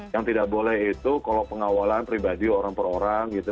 yang tidak boleh itu kalau pengawalan pribadi orang per orang gitu